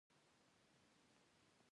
آزاد تجارت مهم دی ځکه چې موثریت لوړوي.